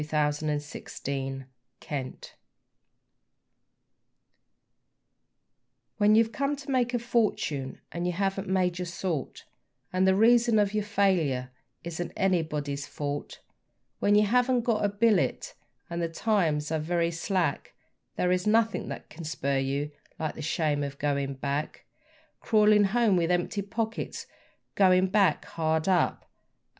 The Shame of Going Back When you've come to make a fortune and you haven't made your salt, And the reason of your failure isn't anybody's fault When you haven't got a billet, and the times are very slack, There is nothing that can spur you like the shame of going back; Crawling home with empty pockets, Going back hard up; Oh!